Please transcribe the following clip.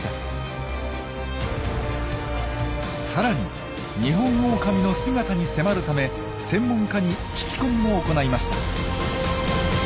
更にニホンオオカミの姿に迫るため専門家に聞き込みも行いました。